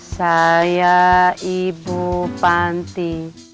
saya ibu panti